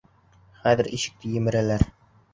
Хәҙер ишекте емерәләр!